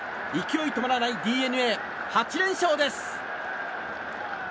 勢い止まらないＤｅＮＡ８連勝です。